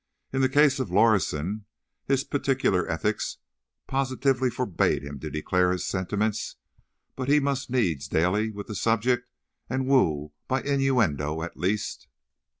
In the case of Lorison, his particular ethics positively forbade him to declare his sentiments, but he must needs dally with the subject, and woo by innuendo at least.